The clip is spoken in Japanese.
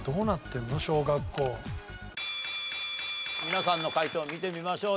皆さんの解答を見てみましょう。